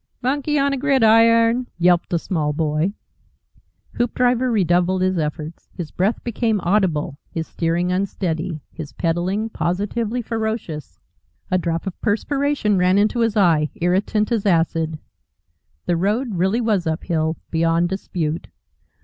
"Monkey on a gridiron!" yelped a small boy. Hoopdriver redoubled his efforts. His breath became audible, his steering unsteady, his pedalling positively ferocious. A drop of perspiration ran into his eye, irritant as acid. The road really was uphill beyond dispute.